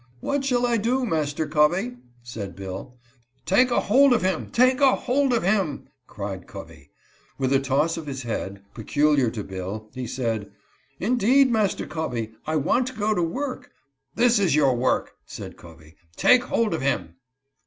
" What shall I do, Master Covey ?" said Bill. " Take hold of him !— take hold of him !" cried Covey. With a toss of his head, peculiar to Bill, he said :" Indeed, Master Covey, I want to go to work." " This is your work" said Covey ;" take hold of him."